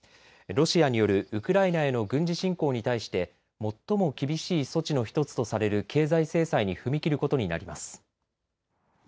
ロシアによるウクライナへの軍事侵攻に対して最も厳しい措置の１つとされる経済制裁に踏み切ることになります。